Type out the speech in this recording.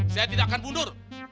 saya tidak akan mundur